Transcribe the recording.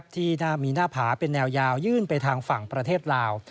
ที่มีหน้าผาเป็นแนวยาวยื่นไปทางฝั่งประเทศลาว